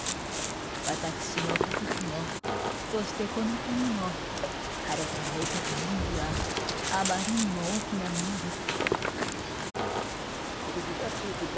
私も家族もそしてこの国も、彼から受けた恩義はあまりにも大きなものです。